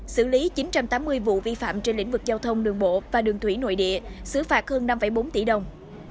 xử lý chín trăm tám mươi vụ vi phạm trên lĩnh vực giao thông đường bộ và đường thủy nội địa xử phạt hơn năm bốn tỷ đồng